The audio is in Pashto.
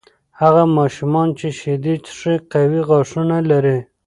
هغه ماشومان چې شیدې څښي، قوي غاښونه لري.